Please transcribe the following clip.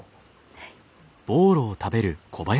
はい。